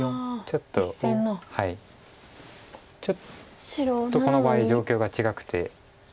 ちょっとこの場合状況が違くて。